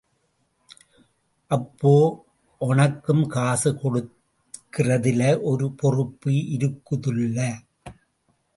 அப்போ ஒனக்கும் காசு கொடுக்கிறதுல ஒரு பொறுப்பு இருக்குதுல்ல?